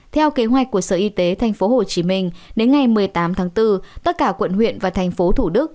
theo kế hoạch của sở y tế tp hcm đến ngày một mươi tám tháng bốn tất cả quận huyện và thành phố thủ đức